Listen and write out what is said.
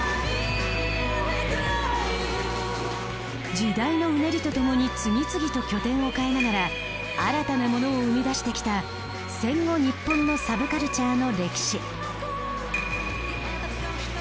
時代のうねりとともに次々と拠点を替えながら新たなものを生み出してきた戦後ニッポンのサブカルチャーの歴史。